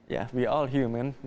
ya kita semua manusia